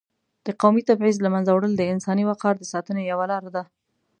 د قومي تبعیض له منځه وړل د انساني وقار د ساتنې یوه لار ده.